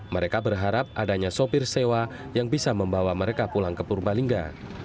mereka berharap adanya sopir sewa yang bisa membawa mereka pulang ke purbalingga